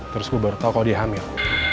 terus gue baru tahu kalau dia hamil